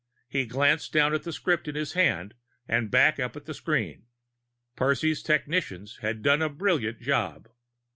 He glanced down at the script in his hand and back up at the screen. Percy's technicians had done a brilliant job.